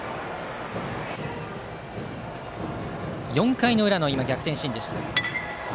４回の裏の逆転シーンでした。